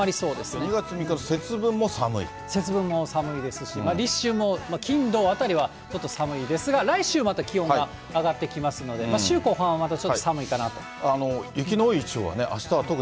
２月３日、節分も寒いですし、立春も金、土あたりはちょっと寒いですが、来週また気温が上がってきますの全国の皆さん、こんにちは。